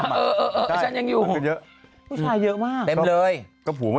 ผู้ชายไปเยอะมากนะคุณแม่